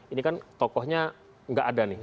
ini kan tokohnya nggak ada nih